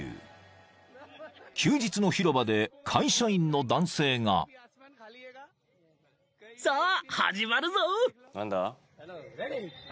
［休日の広場で会社員の男性が］さあ。